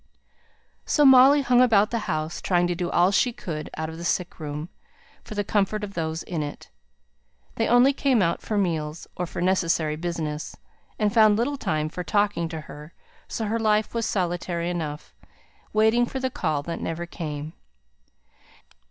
So Molly hung about the house, trying to do all she could out of the sick room, for the comfort of those in it. They only came out for meals, or for necessary business, and found little time for talking to her, so her life was solitary enough, waiting for the call that never came.